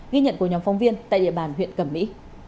ghi nhận của nhóm phóng viên tại địa bàn huyện cẩm mỹ